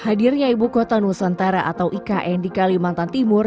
hadirnya ibu kota nusantara atau ikn di kalimantan timur